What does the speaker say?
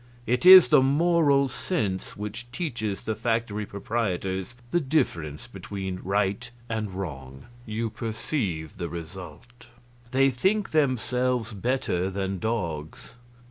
It is the Moral Sense which teaches the factory proprietors the difference between right and wrong you perceive the result. They think themselves better than dogs.